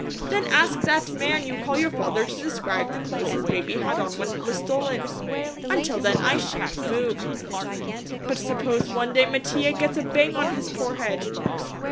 Then ask that man you call your father to describe the clothes his baby had on when it was stolen. Until then I shan't move." "But suppose one day Mattia gets a bang on his poor head?"